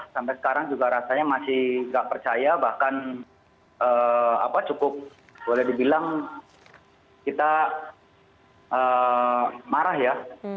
sampai sekarang juga rasanya masih nggak percaya bahkan cukup boleh dibilang kita marah ya